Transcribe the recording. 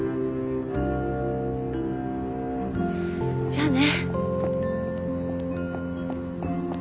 じゃあね。